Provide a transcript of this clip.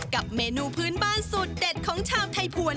กับเมนูพื้นบ้านสูตรเด็ดของชาวไทยภวร